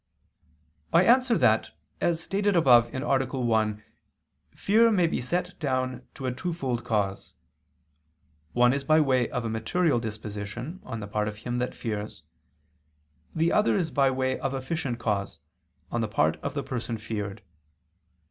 I answer that, As stated above (A. 1), fear may be set down to a twofold cause: one is by way of a material disposition, on the part of him that fears; the other is by way of efficient cause, on the part of the person feared.